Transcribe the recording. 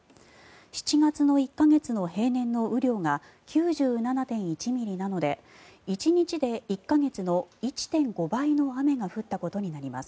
７月の１か月の平年の雨量が９７．１ミリなので１日で１か月の１．５倍の雨が降ったことになります。